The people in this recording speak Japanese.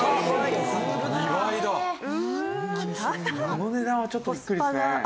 あの値段はちょっとビックリですね。